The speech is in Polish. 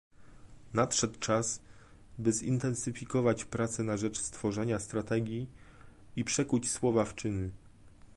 Nadszedł czas, by zintensyfikować prace na rzecz stworzenia strategii i przekuć słowa w czyny